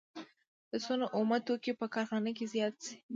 د سون اومه توکي په کارخانه کې زیات شي